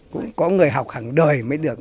cũng có người học hàng đời mới được